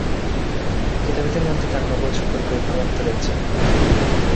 কিতাবীদের মধ্যে তাঁর নবুওত সম্পর্কে ঐকমত্য রয়েছে।